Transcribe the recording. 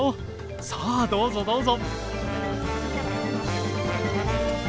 さあどうぞどうぞ。